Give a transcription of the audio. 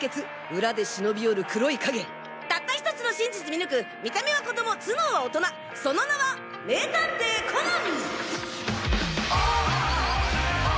裏で忍び寄る黒い影たった１つの真実見抜く見た目は子供頭脳は大人その名は名探偵コナン！